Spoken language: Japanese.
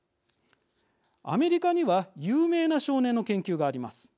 アメリカには有名な少年の研究があります。